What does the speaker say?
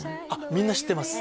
みんな知ってます